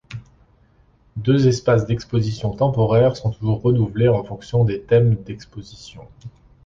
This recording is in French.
Deux espaces d’exposition temporaire sont toujours renouvelés en fonction des thèmes d’exposition.